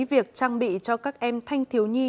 việc trang bị cho các em thanh thiếu nhi